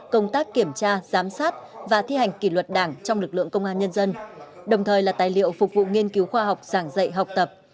công tác kiểm tra giám sát và thi hành kỷ luật đảng trong lực lượng công an nhân dân đồng thời là tài liệu phục vụ nghiên cứu khoa học giảng dạy học tập